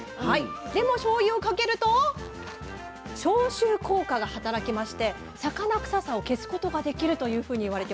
でもしょうゆをかけると消臭効果が働きまして魚臭さを消すことができるというふうにいわれてます。